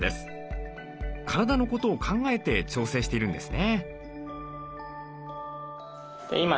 体のことを考えて調整しているんですね。